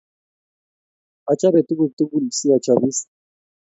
Achope tuguk tugul si achopis.